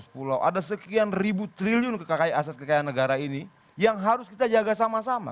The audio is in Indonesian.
tujuh belas ribu empat ratus pulau ada sekian ribu triliun kekayaan aset kekayaan negara ini yang harus kita jaga sama sama